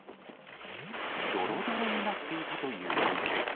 どろどろになっていたという池。